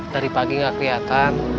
dari pagi gak keliatan